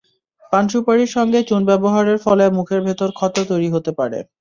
পান-সুপারির সঙ্গে চুন ব্যবহারের ফলে মুখের ভেতর ক্ষত তৈরি হতে পারে।